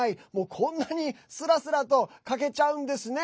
こんなにスラスラと書けちゃうんですね。